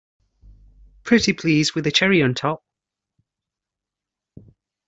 Pretty please with a cherry on top!